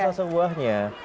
ada rasa buahnya